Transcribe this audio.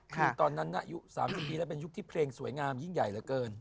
คือตอนนั้นอายุ๓๐ปีแล้วเป็นยุคที่เพลงสวยงามยิ่งใหญ่เหลือเกิน